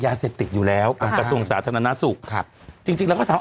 ยาเสพติดอยู่แล้วกับกระทรวงสาธารณสุขครับจริงจริงแล้วก็ถาม